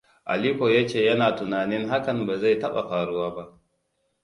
Aliko ya ce yana tunanin hakan ba zai taba faruwa ba.